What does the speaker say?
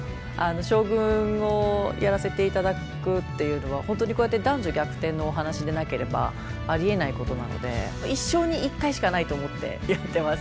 将軍をやらせて頂くっていうのは本当にこうやって男女逆転のお話でなければありえないことなので一生に一回しかないと思ってやってます。